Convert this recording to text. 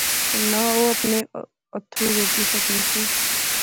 تہ نہ او اپنے اتھرو روکی سکنی سی